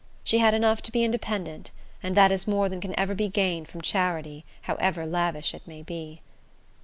She had enough to be independent; and that is more than can ever be gained from charity, however lavish it may be.